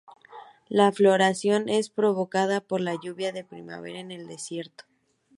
La floración es provocada por la lluvia de primavera en el desierto.